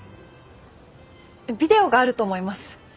ビデオがあると思います。